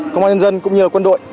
công an nhân dân cũng như là quân đội